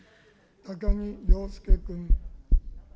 高木陽介君。